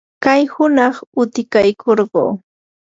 kay hunaq utikaykurquu.